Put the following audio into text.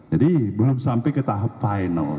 jadi belum sampai ke tahap final